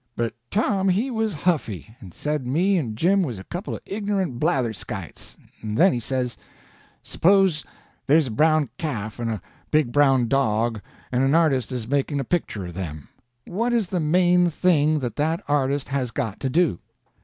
But Tom he was huffy, and said me and Jim was a couple of ignorant blatherskites, and then he says: "Suppose there's a brown calf and a big brown dog, and an artist is making a picture of them. What is the main thing that that artist has got to do?